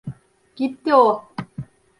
Gitti o.